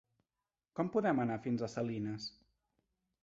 Com podem anar fins a Salines?